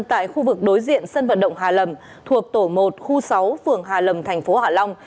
tại khu vực đối diện sân vận động hà lầm thuộc tổ một khu sáu phường hà lầm tp hạ long